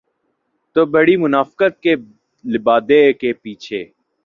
تو بھاری منافقت کے لبادے کے پیچھے۔